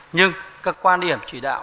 nhưng các quan điểm chỉ đạo